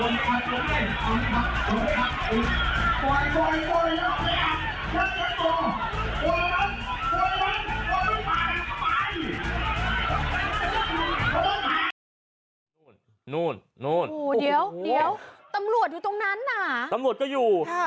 นู้นนู้นโอ้โหเดี๋ยวเดี๋ยวตำรวจอยู่ตรงนั้นอ่ะตำรวจก็อยู่ฮะ